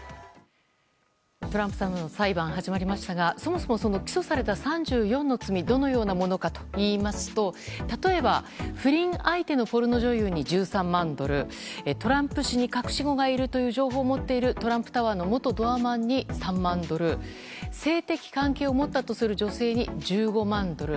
トランプさんの裁判始まりましたがそもそも、起訴された３４の罪はどのようなものかといいますと例えば、不倫相手のポルノ女優に１３万ドルトランプ氏に隠し子がいるという情報を持っているトランプタワーの元ドアマンに３万ドル性的関係を持ったとする女性に１５万ドル。